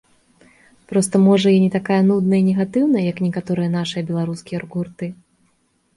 Проста, можа, я не такая нудная і негатыўная, як некаторыя нашыя беларускія рок-гурты.